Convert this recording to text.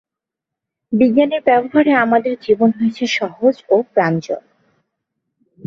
বিজ্ঞানের ব্যবহারে আমাদের জীবন হয়েছে সহজ ও প্রাঞ্জল।